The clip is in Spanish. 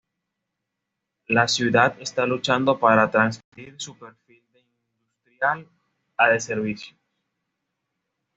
La ciudad está luchando para transferir su perfil de industrial a de servicios.